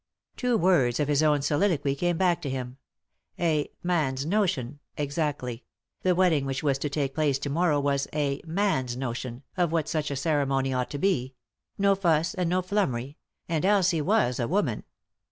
Two words of his own soliloquy came back to him — a " man's notion," exactly ; the wedding which was to take place to morrow was a "man's notion" of what such a ceremony ought to be ; no fuss and no flummery — and Elsie was a woman.